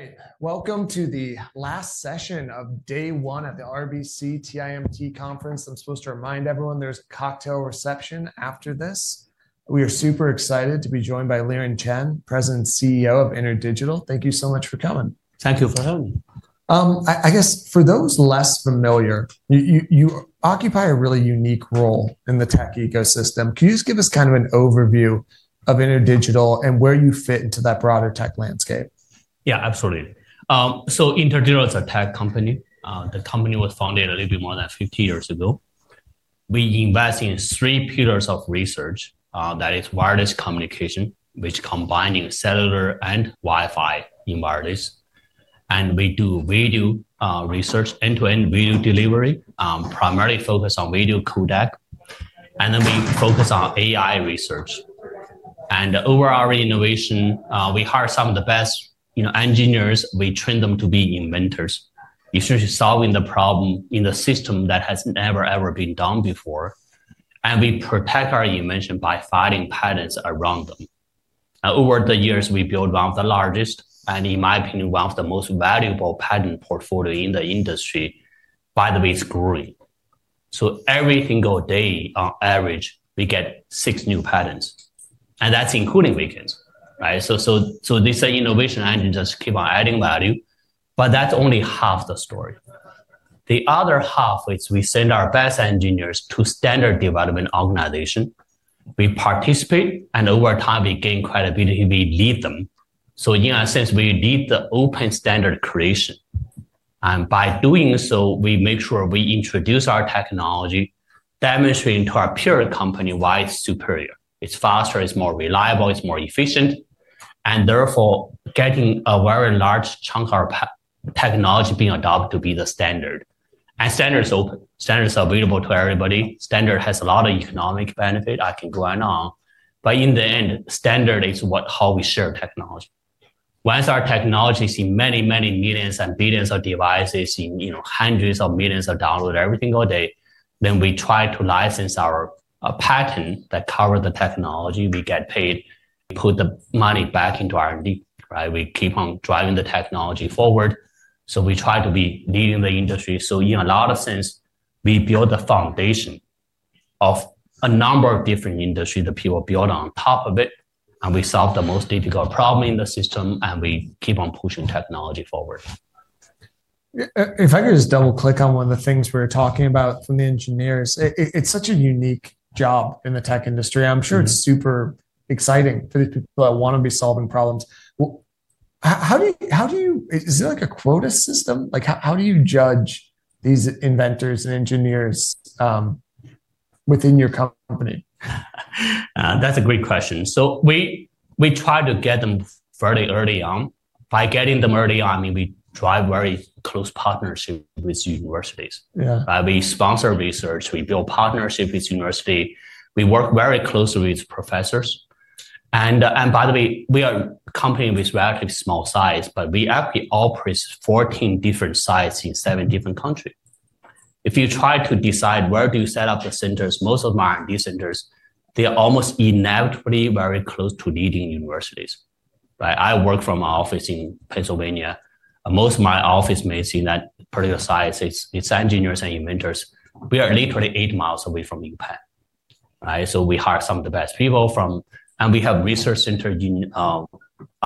All right. Welcome to the last session of day one at the RBC TIMT Conference. I'm supposed to remind everyone there's a cocktail reception after this. We are super excited to be joined by Liren Chen, President and CEO of InterDigital. Thank you so much for coming. Thank you for having me. I guess for those less familiar, you occupy a really unique role in the tech ecosystem. Can you just give us kind of an overview of InterDigital and where you fit into that broader tech landscape? Yeah, absolutely. InterDigital is a tech company. The company was founded a little bit more than 50 years ago. We invest in three pillars of research. That is wireless communication, which combines cellular and Wi-Fi in wireless. We do video research, end-to-end video delivery, primarily focused on video codec. Then we focus on AI research. Over our innovation, we hire some of the best engineers. We train them to be inventors, essentially solving the problem in the system that has never, ever been done before. We protect our invention by filing patents around them. Now, over the years, we built one of the largest, and in my opinion, one of the most valuable patent portfolios in the industry. By the way, it's growing. Every single day, on average, we get six new patents. That's including vacants. This innovation engine just keeps on adding value. That is only half the story. The other half is we send our best engineers to standard development organizations. We participate, and over time, we gain credibility. We lead them. In a sense, we lead the open standard creation. By doing so, we make sure we introduce our technology, demonstrating to our peer company why it is superior. It is faster, it is more reliable, it is more efficient. Therefore, getting a very large chunk of our technology being adopted to be the standard. Standard is open. Standard is available to everybody. Standard has a lot of economic benefit. I can go on and on. In the end, standard is how we share technology. Once our technology is in many, many millions and billions of devices, in hundreds of millions of downloads every single day, we try to license our patent that covers the technology. We get paid. We put the money back into R&D. We keep on driving the technology forward. We try to be leading the industry. In a lot of sense, we build a foundation of a number of different industries that people build on top of it. We solve the most difficult problem in the system. We keep on pushing technology forward. If I could just double-click on one of the things we were talking about from the engineers, it's such a unique job in the tech industry. I'm sure it's super exciting for the people that want to be solving problems. How do you—is there like a quota system? How do you judge these inventors and engineers within your company? That's a great question. We try to get them fairly early on. By getting them early on, I mean we drive very close partnerships with universities. We sponsor research. We build partnerships with universities. We work very closely with professors. By the way, we are a company with a relatively small size, but we actually operate 14 different sites in seven different countries. If you try to decide where you set up the centers, most of my R&D centers are almost inevitably very close to leading universities. I work from my office in Pennsylvania. Most of my office may see that particular size. It's engineers and inventors. We are literally eight miles away from UPenn. We hire some of the best people from—and we have research centers. I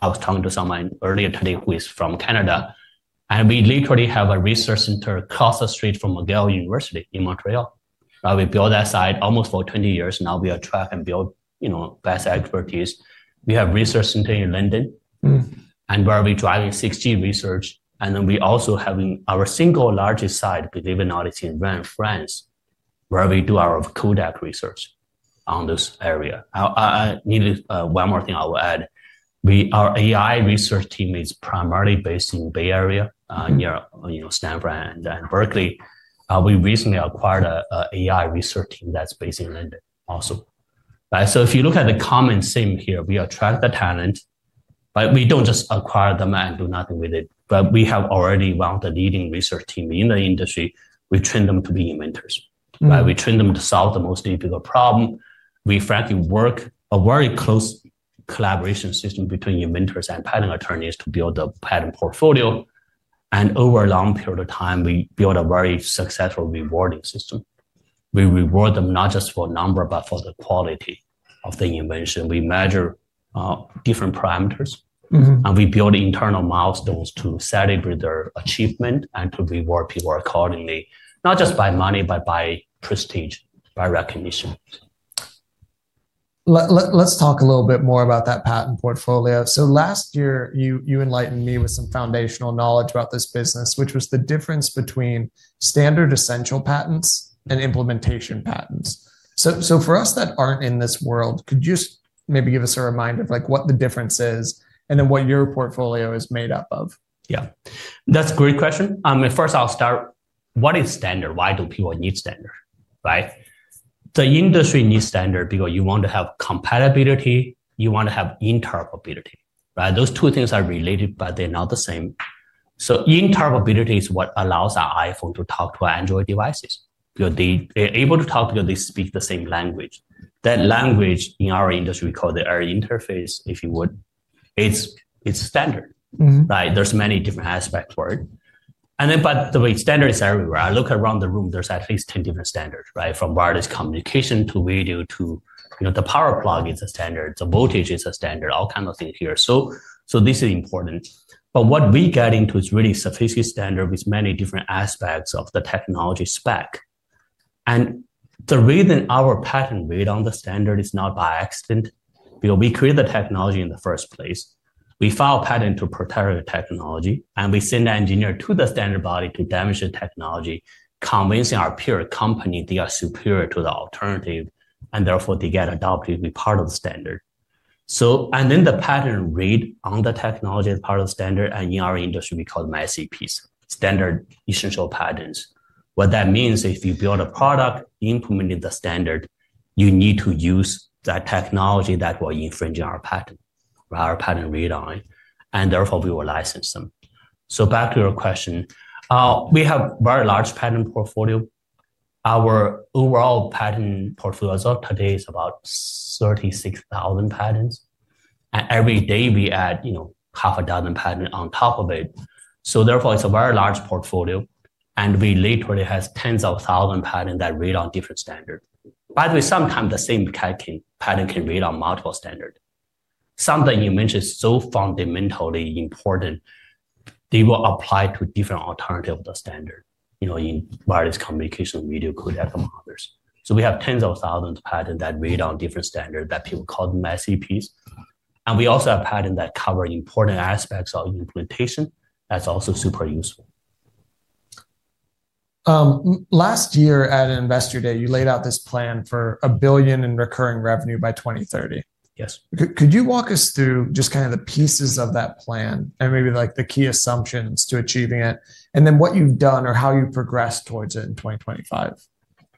was talking to someone earlier today who is from Canada. We literally have a research center across the street from McGill University in Montreal. We built that site almost for 20 years. Now we attract and build best expertise. We have research centers in London, where we're driving 6G research. We also have our single largest site, believe it or not, it's in Rennes, France, where we do our codec research on this area. Needed one more thing I will add. Our AI research team is primarily based in the Bay Area, near Stanford and Berkeley. We recently acquired an AI research team that's based in London also. If you look at the common theme here, we attract the talent, but we don't just acquire them and do nothing with it. We have already one of the leading research teams in the industry. We train them to be inventors. We train them to solve the most difficult problem. We, frankly, work a very close collaboration system between inventors and patent attorneys to build a patent portfolio. Over a long period of time, we build a very successful rewarding system. We reward them not just for number, but for the quality of the invention. We measure different parameters. We build internal milestones to celebrate their achievement and to reward people accordingly, not just by money, but by prestige, by recognition. Let's talk a little bit more about that patent portfolio. Last year, you enlightened me with some foundational knowledge about this business, which was the difference between standard essential patents and implementation patents. For us that aren't in this world, could you just maybe give us a reminder of what the difference is and then what your portfolio is made up of? Yeah. That's a great question. First, I'll start. What is standard? Why do people need standard? The industry needs standard because you want to have compatibility. You want to have interoperability. Those two things are related, but they're not the same. Interoperability is what allows our iPhone to talk to our Android devices. They're able to talk because they speak the same language. That language in our industry, we call the early interface, if you would. It's standard. There's many different aspects for it. The way standard is everywhere. I look around the room, there's at least 10 different standards, from wireless communication to video to the power plug is a standard. The voltage is a standard, all kinds of things here. This is important. What we get into is really sophisticated standard with many different aspects of the technology spec. The reason our patent weight on the standard is not by accident, because we create the technology in the first place. We file patent to protect the technology, and we send the engineer to the standard body to demonstrate technology, convincing our peer company they are superior to the alternative, and therefore they get adopted to be part of the standard. The patent read on the technology as part of the standard. In our industry, we call them SEPs, standard essential patents. What that means is if you build a product implementing the standard, you need to use that technology that will infringe on our patent, our patent read on it. Therefore, we will license them. Back to your question, we have a very large patent portfolio. Our overall patent portfolio as of today is about 36,000 patents. Every day, we add half a dozen patents on top of it. Therefore, it's a very large portfolio. We literally have tens of thousands of patents that read on different standards. By the way, sometimes the same patent can read on multiple standards. Something you mentioned is so fundamentally important, they will apply to different alternatives of the standard in wireless communication, video codec, and others. We have tens of thousands of patents that read on different standards that people call them SEPs. We also have patents that cover important aspects of implementation. That's also super useful. Last year at Investor Day, you laid out this plan for $1 billion in recurring revenue by 2030. Yes. Could you walk us through just kind of the pieces of that plan and maybe the key assumptions to achieving it, and then what you've done or how you progressed towards it in 2025?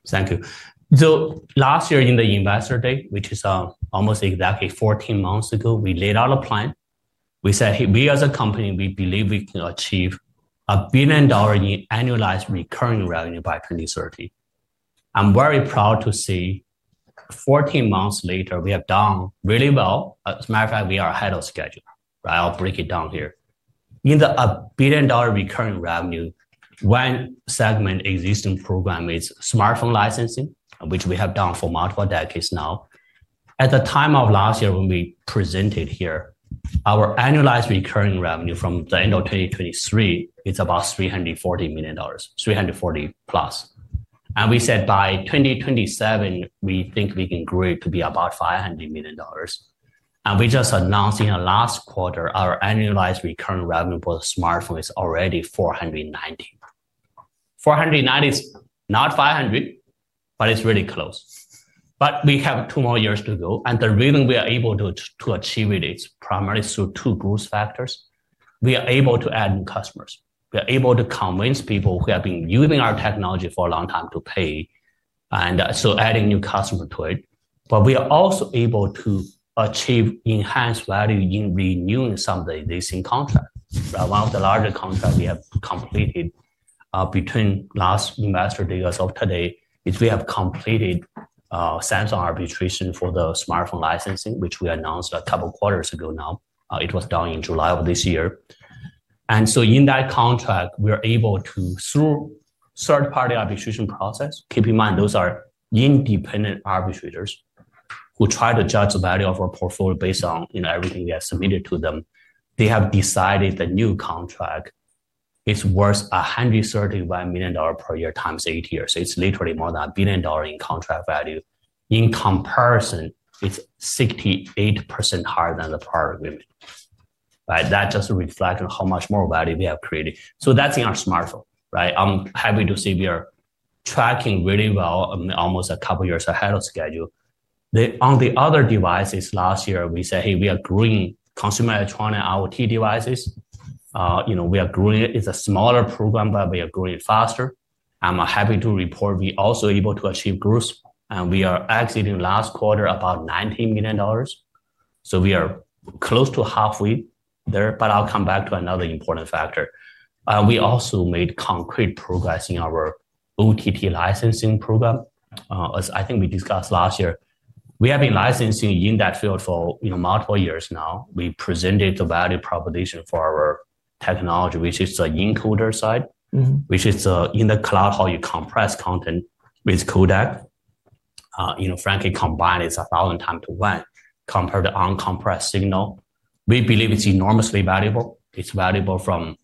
Thank you. Last year in the Investor Day, which is almost exactly 14 months ago, we laid out a plan. We said, "We, as a company, we believe we can achieve a billion dollars in annualized recurring revenue by 2030." I'm very proud to say 14 months later, we have done really well. As a matter of fact, we are ahead of schedule. I'll break it down here. In the billion-dollar recurring revenue, one segment existing program is smartphone licensing, which we have done for multiple decades now. At the time of last year, when we presented here, our annualized recurring revenue from the end of 2023 is about $340 million, $340+. We said by 2027, we think we can grow it to be about $500 million. We just announced in the last quarter, our annualized recurring revenue for the smartphone is already $490 million. $490 is not $500, but it's really close. We have two more years to go. The reason we are able to achieve it is primarily through two growth factors. We are able to add new customers. We are able to convince people who have been using our technology for a long time to pay. Adding new customers to it. We are also able to achieve enhanced value in renewing some of the existing contracts. One of the larger contracts we have completed between last Investor Day as of today is we have completed Samsung arbitration for the smartphone licensing, which we announced a couple of quarters ago now. It was done in July of this year. In that contract, we are able to, through third-party arbitration process, keep in mind those are independent arbitrators who try to judge the value of our portfolio based on everything we have submitted to them. They have decided the new contract is worth $135 million per year times 8 years. It is literally more than $1 billion in contract value. In comparison, it is 68% higher than the prior agreement. That just reflects on how much more value we have created. That is in our smartphone. I am happy to say we are tracking really well, almost a couple of years ahead of schedule. On the other devices, last year, we said, "Hey, we are growing consumer electronic IoT devices. We are growing. It is a smaller program, but we are growing faster." I am happy to report we are also able to achieve growth. We are exiting last quarter at about $19 million. We are close to halfway there. I'll come back to another important factor. We also made concrete progress in our OTT licensing program. I think we discussed last year we have been licensing in that field for multiple years now. We presented the value proposition for our technology, which is the encoder side, which is in the cloud, how you compress content with codec. Frankly, combined, it's 1,000 times to 1 compared to uncompressed signal. We believe it's enormously valuable. It's valuable from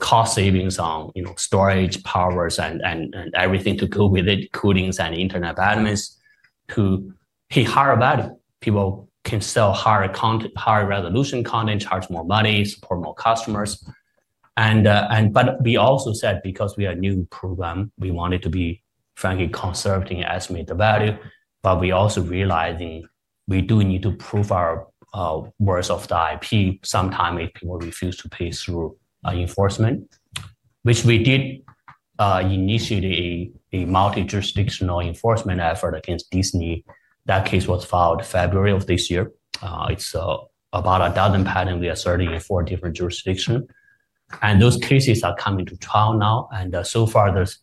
cost savings on storage, power, and everything to go with it, cooling and internet abundance to higher value. People can sell higher resolution content, charge more money, support more customers. We also said, because we are a new program, we wanted to be, frankly, conservative in estimating the value. We also realized we do need to prove our worth of the IP sometime if people refuse to pay through enforcement, which we did. Initially, a multi-jurisdictional enforcement effort against Disney. That case was filed February of this year. It's about a dozen patents we are serving in four different jurisdictions. Those cases are coming to trial now. So far, there's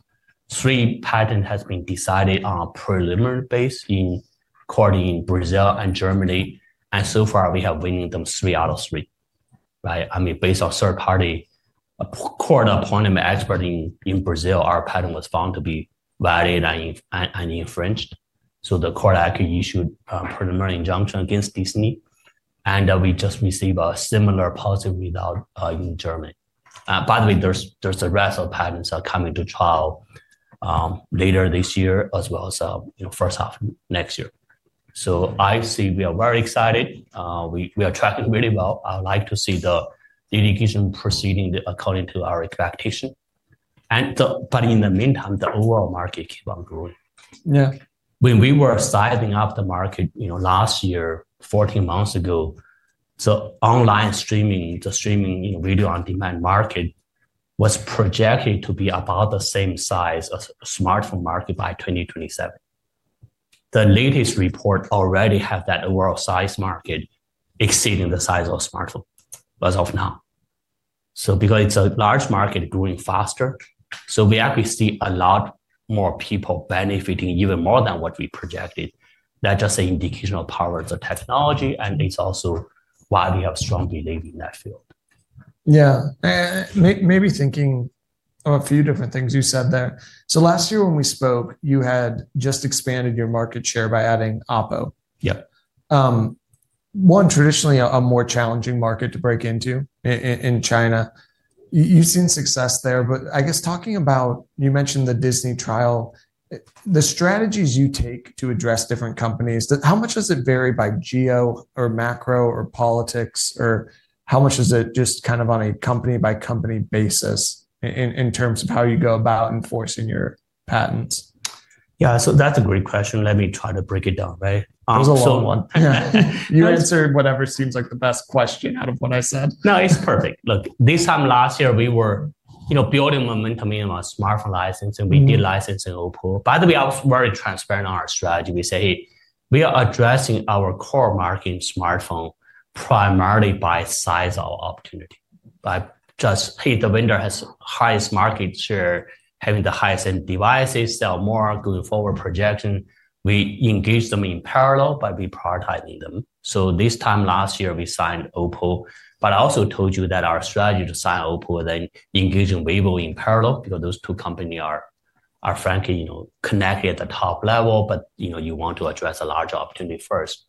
three patents that have been decided on a preliminary base in court in Brazil and Germany. So far, we have won them three out of three. I mean, based on third-party court appointment expert in Brazil, our patent was found to be valid and infringed. The court actually issued a preliminary injunction against Disney. We just received a similar positive result in Germany. By the way, there's the rest of the patents that are coming to trial later this year, as well as first half of next year. I say we are very excited. We are tracking really well. I'd like to see the litigation proceeding according to our expectation. In the meantime, the overall market keeps on growing. Yeah. When we were sizing up the market last year, 14 months ago, the online streaming, the streaming video on-demand market was projected to be about the same size as the smartphone market by 2027. The latest report already has that overall size market exceeding the size of smartphones as of now. Because it's a large market, it's growing faster. We actually see a lot more people benefiting even more than what we projected. That's just an indication of power as a technology. It's also why we have strong belief in that field. Yeah. Maybe thinking of a few different things you said there. Last year when we spoke, you had just expanded your market share by adding Oppo. Yep. One, traditionally a more challenging market to break into in China. You've seen success there. I guess talking about, you mentioned the Disney trial, the strategies you take to address different companies, how much does it vary by geo or macro or politics? How much is it just kind of on a company-by-company basis in terms of how you go about enforcing your patents? Yeah. That is a great question. Let me try to break it down. There's a long one. You answered whatever seems like the best question out of what I said. No, it's perfect. Look, this time last year, we were building momentum in our smartphone licensing. We did license in Oppo. By the way, I was very transparent on our strategy. We said, "Hey, we are addressing our core market in smartphone primarily by size of opportunity. Just, hey, the vendor has the highest market share, having the highest end devices, sell more, going forward projection. We engage them in parallel, but we prioritize them." This time last year, we signed Oppo. I also told you that our strategy to sign Oppo, then engaging Vivo in parallel because those two companies are frankly connected at the top level, but you want to address a larger opportunity first.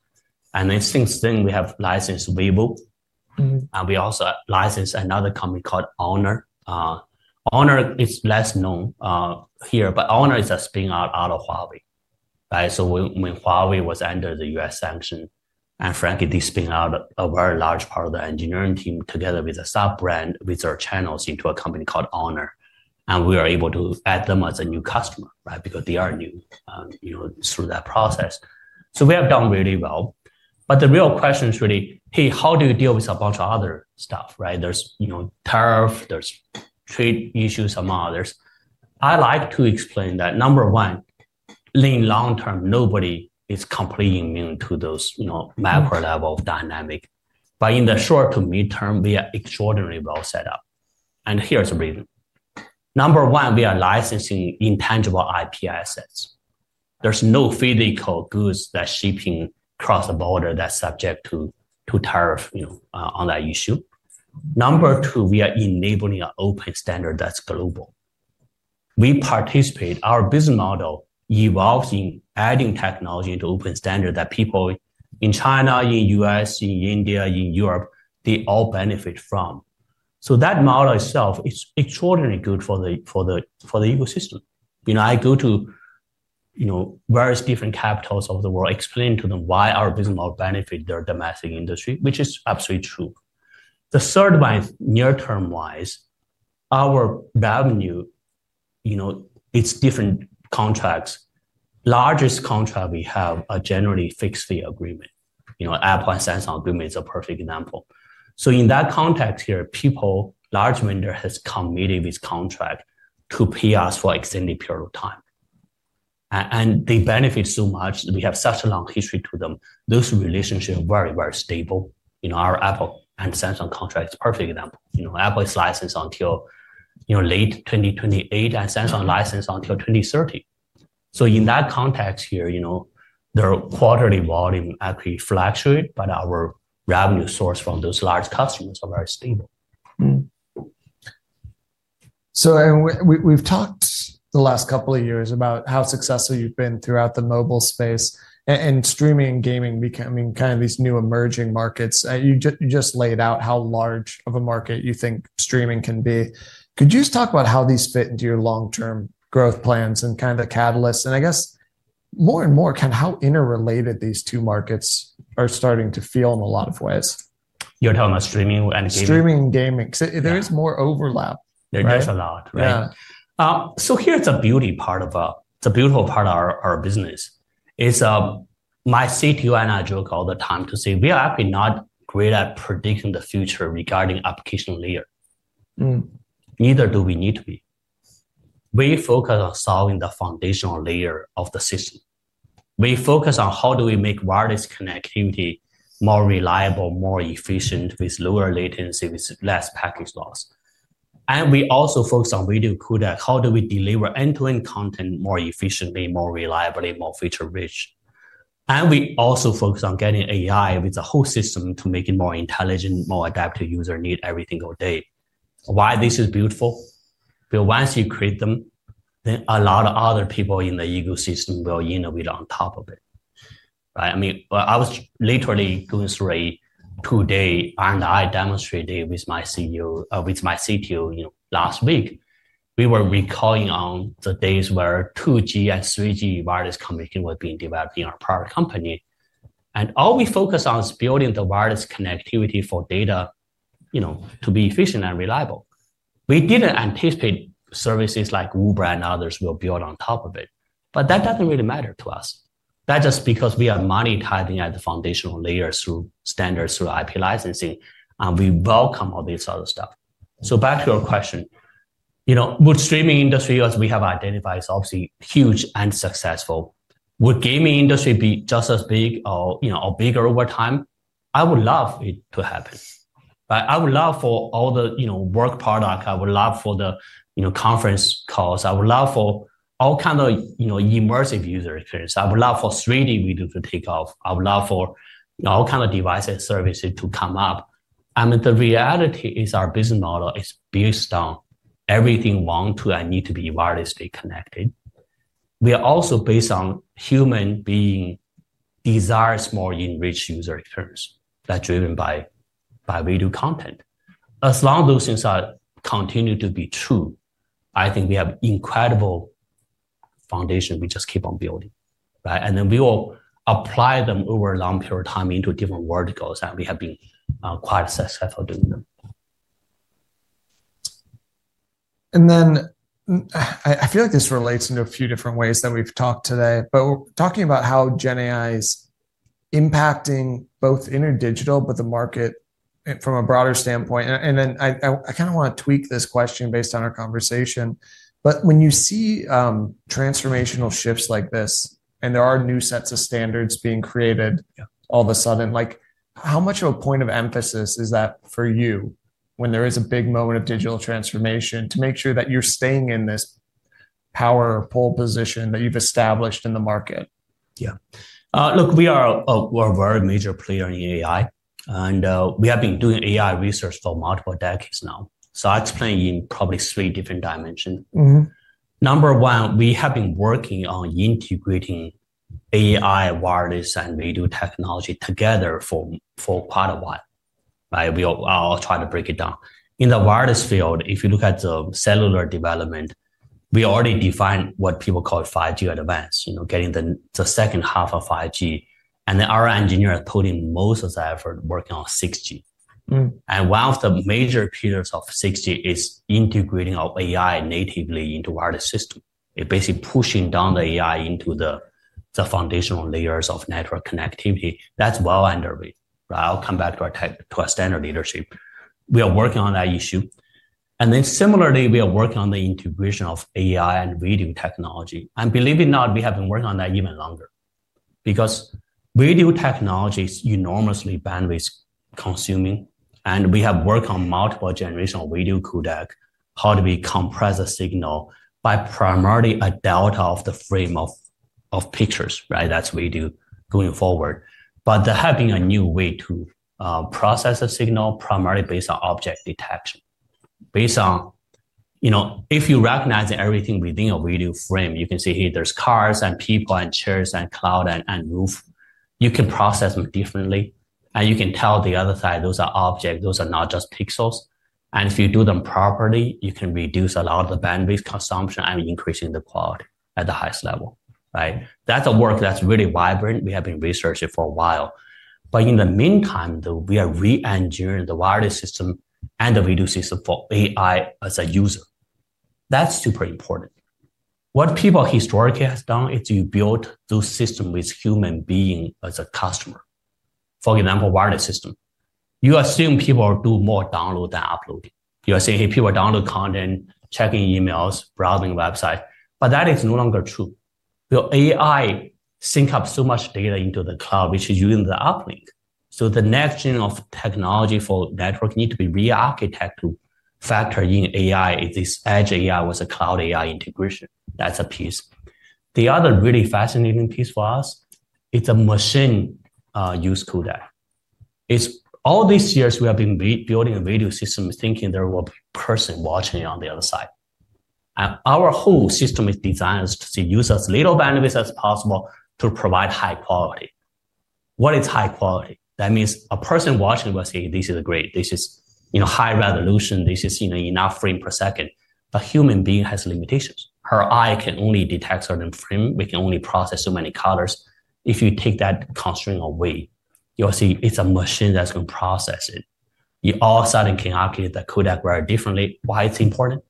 Since then, we have licensed Vivo. We also licensed another company called Honor. Honor is less known here, but Honor is a spin-out out of Huawei. When Huawei was under the U.S. sanction, and frankly, they spun out a very large part of the engineering team together with a sub-brand with their channels into a company called Honor. We were able to add them as a new customer because they are new through that process. We have done really well. The real question is really, hey, how do you deal with a bunch of other stuff? There is tariff, there is trade issues, among others. I like to explain that, number one, in the long term, nobody is completely immune to those macro-level dynamics. In the short to midterm, we are extraordinarily well set up. Here is the reason. Number one, we are licensing intangible IP assets. There are no physical goods that are shipping across the border that are subject to tariff on that issue. Number two, we are enabling an open standard that's global. We participate. Our business model evolves in adding technology into open standards that people in China, in the U.S., in India, in Europe, they all benefit from. That model itself is extraordinarily good for the ecosystem. I go to various different capitals of the world, explain to them why our business model benefits their domestic industry, which is absolutely true. The third one is near-term-wise, our revenue, it's different contracts. Largest contract we have are generally fixed fee agreements. Apple and Samsung agreements are a perfect example. In that context here, people, large vendors have committed with contracts to pay us for an extended period of time. They benefit so much. We have such a long history to them. Those relationships are very, very stable. Our Apple and Samsung contract is a perfect example. Apple is licensed until late 2028, and Samsung licensed until 2030. In that context here, their quarterly volume actually fluctuates, but our revenue source from those large customers is very stable. We have talked the last couple of years about how successful you have been throughout the mobile space and streaming and gaming becoming kind of these new emerging markets. You just laid out how large of a market you think streaming can be. Could you just talk about how these fit into your long-term growth plans and kind of the catalysts? I guess more and more, kind of how interrelated these two markets are starting to feel in a lot of ways. You're talking about streaming and gaming? Streaming and gaming. Because there is more overlap. There is a lot. So here's a beauty part of it's a beautiful part of our business. My CTO and I joke all the time to say, "We are actually not great at predicting the future regarding application layer. Neither do we need to be." We focus on solving the foundational layer of the system. We focus on how do we make wireless connectivity more reliable, more efficient with lower latency, with less package loss. And we also focus on video codec. How do we deliver end-to-end content more efficiently, more reliably, more feature-rich? And we also focus on getting AI with the whole system to make it more intelligent, more adapted to user needs every single day. Why this is beautiful? Because once you create them, then a lot of other people in the ecosystem will innovate on top of it. I mean, I was literally going through a two-day, and I demonstrated with my CTO last week. We were recalling on the days where 2G and 3G wireless communication was being developed in our prior company. All we focus on is building the wireless connectivity for data to be efficient and reliable. We did not anticipate services like Uber and others would build on top of it. That does not really matter to us. That is just because we are monetizing at the foundational layer through standards through IP licensing. We welcome all this other stuff. Back to your question. With streaming industry, as we have identified, it is obviously huge and successful. Would gaming industry be just as big or bigger over time? I would love it to happen. I would love for all the work products. I would love for the conference calls. I would love for all kinds of immersive user experiences. I would love for 3D video to take off. I would love for all kinds of devices and services to come up. I mean, the reality is our business model is based on everything wanted and needed to be wirelessly connected. We are also based on human beings' desires for more enriched user experience that's driven by video content. As long as those things continue to be true, I think we have incredible foundation we just keep on building. We will apply them over a long period of time into different verticals. We have been quite successful doing them. I feel like this relates into a few different ways that we've talked today. Talking about how GenAI is impacting both InterDigital, but the market from a broader standpoint. I kind of want to tweak this question based on our conversation. When you see transformational shifts like this, and there are new sets of standards being created all of a sudden, how much of a point of emphasis is that for you when there is a big moment of digital transformation to make sure that you're staying in this power or pull position that you've established in the market? Yeah. Look, we are a very major player in AI. And we have been doing AI research for multiple decades now. I explain in probably three different dimensions. Number one, we have been working on integrating AI, wireless, and video technology together for quite a while. I'll try to break it down. In the wireless field, if you look at the cellular development, we already defined what people call 5G advance, getting the second half of 5G. Our engineers are putting most of their effort working on 6G. One of the major pillars of 6G is integrating our AI natively into our system. It's basically pushing down the AI into the foundational layers of network connectivity. That's well underway. I'll come back to our standard leadership. We are working on that issue. Similarly, we are working on the integration of AI and video technology. Believe it or not, we have been working on that even longer. Video technology is enormously bandwidth-consuming. We have worked on multiple generational video codec, how do we compress the signal by primarily a delta of the frame of pictures. That is video going forward. There has been a new way to process the signal primarily based on object detection. If you recognize everything within a video frame, you can see, hey, there are cars and people and chairs and cloud and roof. You can process them differently. You can tell the other side, those are objects. Those are not just pixels. If you do them properly, you can reduce a lot of the bandwidth consumption and increase the quality at the highest level. That is a work that is really vibrant. We have been researching for a while. In the meantime, we are re-engineering the wireless system and the video system for AI as a user. That's super important. What people historically have done is to build those systems with human being as a customer. For example, wireless system. You assume people do more download than upload. You are saying, hey, people download content, checking emails, browsing websites. That is no longer true. AI syncs up so much data into the cloud, which is using the uplink. The next gen of technology for network needs to be re-architected to factor in AI, this edge AI with a cloud AI integration. That's a piece. The other really fascinating piece for us is the machine-use codec. All these years, we have been building a video system thinking there will be a person watching on the other side. Our whole system is designed to use as little bandwidth as possible to provide high quality. What is high quality? That means a person watching will say, "This is great. This is high resolution. This is enough frame per second." Human beings have limitations. Her eye can only detect certain frame. We can only process so many colors. If you take that constraint away, you'll see it's a machine that's going to process it. You all of a sudden can allocate the codec very differently. Why is it important?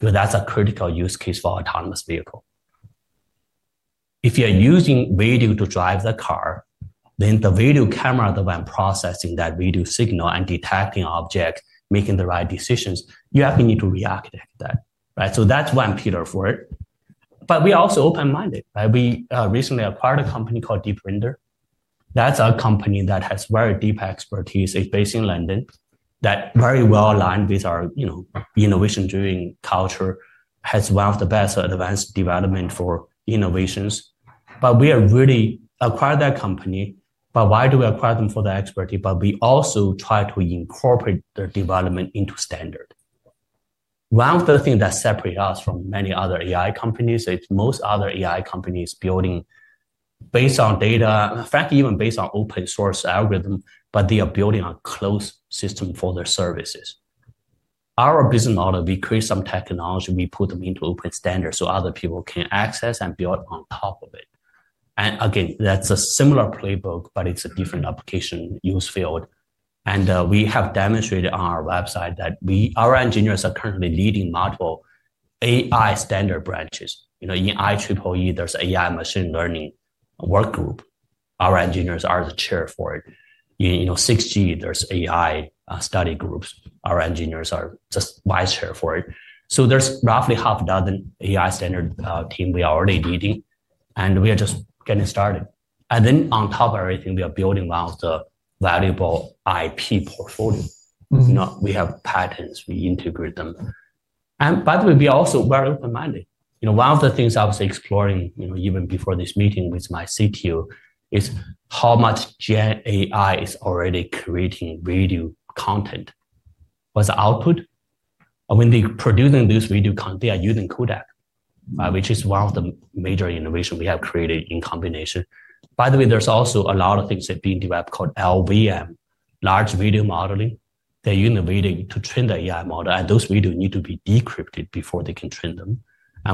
Because that's a critical use case for autonomous vehicle. If you're using video to drive the car, then the video camera that went processing that video signal and detecting objects, making the right decisions, you actually need to re-architect that. That is one pillar for it. We are also open-minded. We recently acquired a company called DeepRinder. That's a company that has very deep expertise. It's based in London. That's very well aligned with our innovation-driven culture. Has one of the best advanced developments for innovations. We have really acquired that company. Why do we acquire them for the expertise? We also try to incorporate their development into standard. One of the things that separates us from many other AI companies is most other AI companies building based on data, in fact, even based on open-source algorithms, but they are building a closed system for their services. Our business model, we create some technology. We put them into open standards so other people can access and build on top of it. Again, that's a similar playbook, but it's a different application use field. We have demonstrated on our website that our engineers are currently leading multiple AI standard branches. In IEEE, there's an AI machine learning work group. Our engineers are the chair for it. In 6G, there's AI study groups. Our engineers are just vice chair for it. There are roughly half a dozen AI standard teams we are already leading. We are just getting started. On top of everything, we are building one of the valuable IP portfolios. We have patents. We integrate them. By the way, we are also very open-minded. One of the things I was exploring even before this meeting with my CTO is how much GenAI is already creating video content. What's the output? When they're producing this video content, they are using codec, which is one of the major innovations we have created in combination. By the way, there's also a lot of things that are being developed called LVM, large video modeling. They're using the video to train the AI model. Those videos need to be decrypted before they can train them.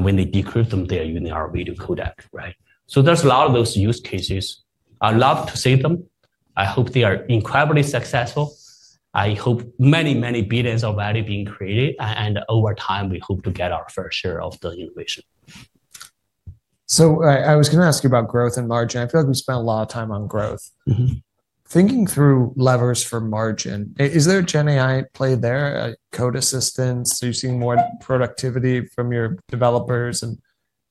When they decrypt them, they're using our video codec. There are a lot of those use cases. I'd love to see them. I hope they are incredibly successful. I hope many, many billions of value being created. Over time, we hope to get our fair share of the innovation. I was going to ask you about growth and margin. I feel like we spent a lot of time on growth. Thinking through levers for margin, is there a GenAI play there? Code assistance? Are you seeing more productivity from your developers?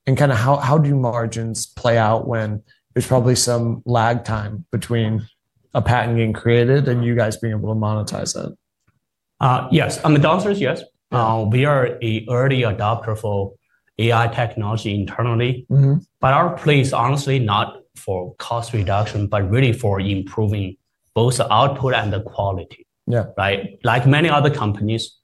And kind of how do margins play out when there's probably some lag time between a patent being created and you guys being able to monetize that? Yes. On the downsides, yes. We are an early adopter for AI technology internally. Our play is honestly not for cost reduction, but really for improving both the output and the quality. Like many other companies,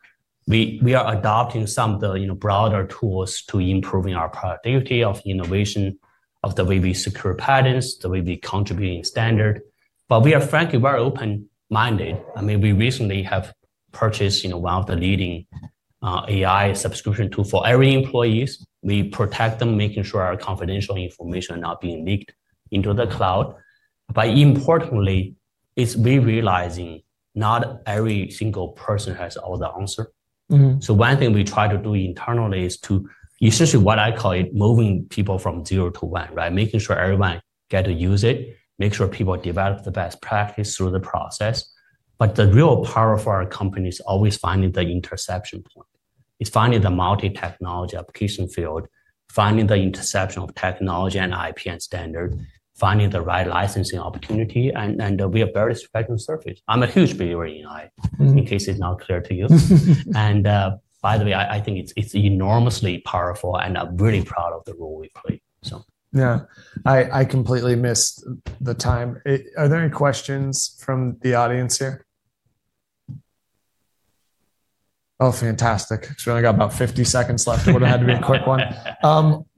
we are adopting some of the broader tools to improve our productivity of innovation, of the way we secure patents, the way we contribute in standard. We are, frankly, very open-minded. I mean, we recently have purchased one of the leading AI subscription tools for every employee. We protect them, making sure our confidential information is not being leaked into the cloud. Importantly, we are realizing not every single person has all the answer. One thing we try to do internally is to essentially what I call it moving people from zero to one, making sure everyone gets to use it, making sure people develop the best practice through the process. The real power for our company is always finding the interception point. It's finding the multi-technology application field, finding the interception of technology and IP and standard, finding the right licensing opportunity. We are very spectrum surface. I'm a huge believer in AI, in case it's not clear to you. By the way, I think it's enormously powerful. I'm really proud of the role we play. Yeah. I completely missed the time. Are there any questions from the audience here? Oh, fantastic. We only got about 50 seconds left. It would have had to be a quick one.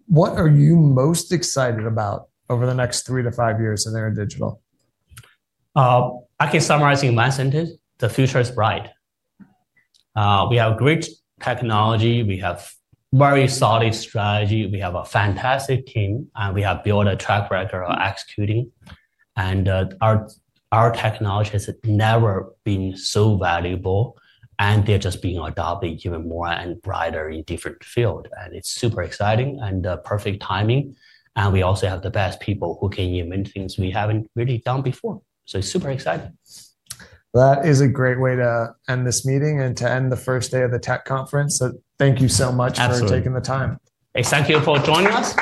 What are you most excited about over the next three to five years in InterDigital? I can summarize in one sentence. The future is bright. We have great technology. We have a very solid strategy. We have a fantastic team. We have built a track record of executing. Our technology has never been so valuable. They are just being adopted even more and brighter in different fields. It is super exciting and perfect timing. We also have the best people who can invent things we have not really done before. It is super exciting. That is a great way to end this meeting and to end the first day of the tech conference. Thank you so much for taking the time. Thank you for joining us.